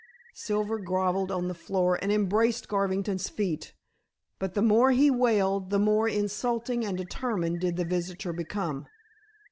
Silver grovelled on the floor and embraced Garvington's feet. But the more he wailed the more insulting and determined did the visitor become.